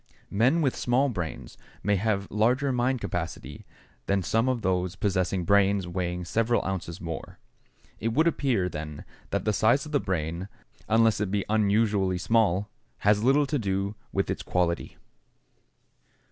Men with small brains may have larger mind capacity than some of those possessing brains weighing several ounces more. It would appear, then, that the size of the brain, unless it be unusually small, has little to do with its quality.